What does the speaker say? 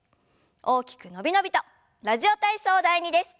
大きく伸び伸びと「ラジオ体操第２」です。